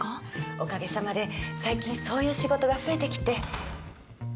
おかげさまで最近そういう仕事が増えてきて。